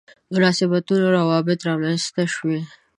مناسبتونه روابط رامنځته شوي.